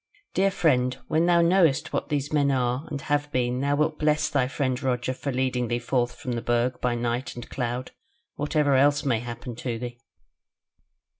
"Dear friend, when thou knowest what these men are and have been thou wilt bless thy friend Roger for leading thee forth from the Burg by night and cloud, whatever else may happen to thee.